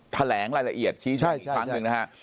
แถลงรายละเอียดชี้แจงอีกครั้งหนึ่งนะฮะ